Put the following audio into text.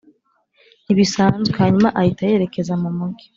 ntibisanzwe hanyuma ahita yerekeza mu mujyi